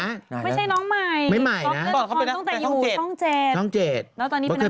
ไม่ใช่น้องใหม่ตอนต้องจะอยู่ช่อง๗